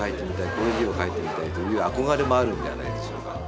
こういう字を書いてみたい」という憧れもあるんじゃないでしょうか。